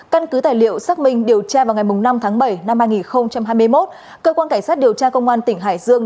căn cứ tài liệu xác minh điều tra vào ngày năm tháng bảy năm hai nghìn hai mươi một cơ quan cảnh sát điều tra công an tỉnh hải dương